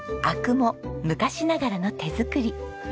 灰汁も昔ながらの手作り。